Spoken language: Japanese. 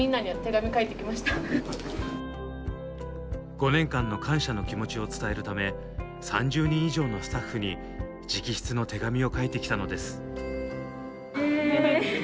５年間の感謝の気持ちを伝えるため３０人以上のスタッフに直筆の手紙を書いてきたのです。